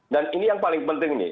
dan ini yang paling penting nih